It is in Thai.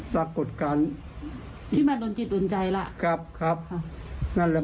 ถ้าไม่รับไม่รู้ถ้าเปล่าเกาจะเอาแล้ว